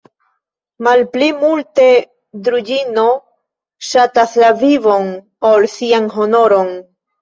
Malpli multe Druĵino ŝatas la vivon, ol sian honoron!